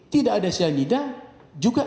tidak ada cyanida